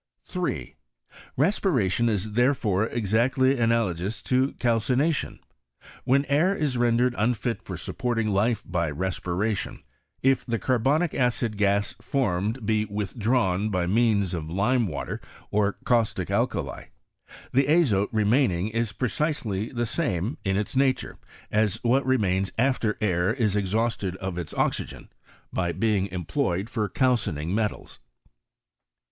3. Respiration is therefore exactly analogous to calcination. When air is rendered unfit for sup porting life by respiration, if the carbonic acid gas formed be withdrawn by means of lime water, or caustic alkali, the azote remaining is precisely the same, in its nature, as what remains after air is ex yhausted of its oxygen by being employed for cal fioing metals.